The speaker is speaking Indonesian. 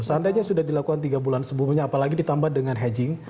seandainya sudah dilakukan tiga bulan sebelumnya apalagi ditambah dengan hedging